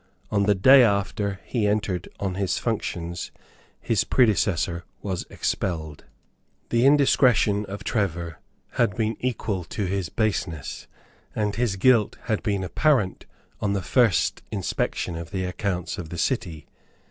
On the day after he entered on his functions, his predecessor was expelled. The indiscretion of Trevor had been equal to his baseness; and his guilt had been apparent on the first inspection of the accounts of the City.